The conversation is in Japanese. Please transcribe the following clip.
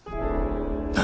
何！？